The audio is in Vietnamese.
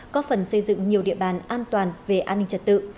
có phần xây dựng nhiều địa bàn an toàn về an ninh trật tự